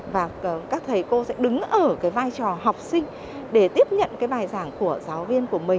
và các thầy cô sẽ đứng ở cái vai trò học sinh để tiếp nhận cái bài giảng của giáo viên của mình